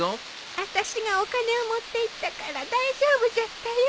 あたしがお金を持っていったから大丈夫じゃったよ。